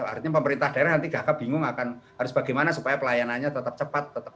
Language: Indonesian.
artinya pemerintah daerah nanti gagap bingung akan harus bagaimana supaya pelayanannya tetap cepat